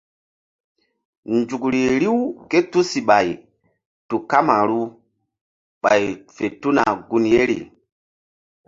Nzukri riw ké tusiɓay tu kamaru ɓay fe tuna gun yeri.